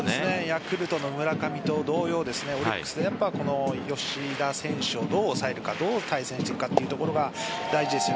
ヤクルトの村上と同様オリックスの吉田選手をどう抑えるかどう対戦していくかというところが大事です。